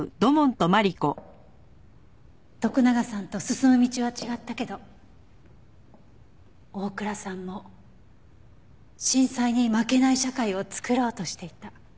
徳永さんと進む道は違ったけど大倉さんも震災に負けない社会を作ろうとしていた。